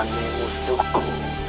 nanti akan kita tekap